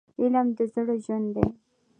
علم د زړه ژوند دی.